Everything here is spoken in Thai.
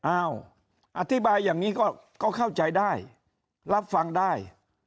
อ้าวอธิบายอย่างนี้ก็เข้าใจได้รับฟังได้